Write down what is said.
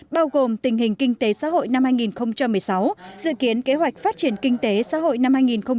bao gồm tình hình kinh tế xã hội năm hai nghìn một mươi sáu dự kiến kế hoạch phát triển kinh tế xã hội năm hai nghìn hai mươi